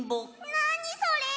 なにそれ！